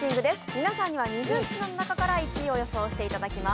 皆さんには２０品の中から１位を予想していただきます。